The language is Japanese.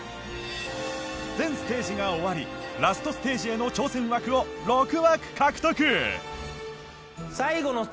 全ステージが終わりラストステージへの挑戦枠を６枠獲得！